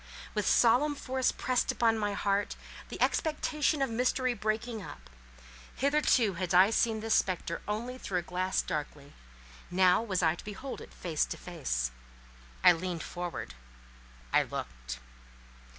With solemn force pressed on my heart, the expectation of mystery breaking up: hitherto I had seen this spectre only through a glass darkly; now was I to behold it face to face. I leaned forward; I looked.